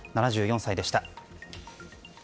７４歳でした。